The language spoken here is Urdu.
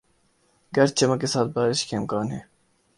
گرج چمک کے ساتھ بارش کا امکان ہے